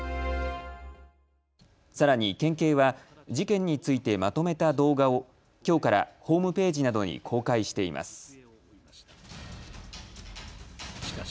さらに県警は事件についてまとめた動画をきょうからホームページなどに公開しています。